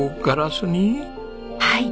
はい。